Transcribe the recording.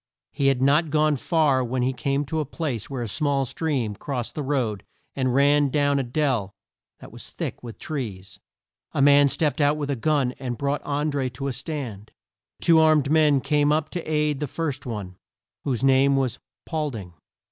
He had not gone far when he came to a place where a small stream crossed the road and ran down a dell that was thick with trees. A man stepped out with a gun and brought An dré to a stand. Two more armed men came up to aid the first one, whose name was Paul ding.